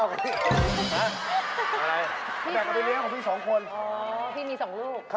เอาที่สี่เปิดมีลูกยัง